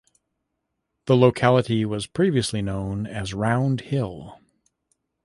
The locality was previously known as Round Hill.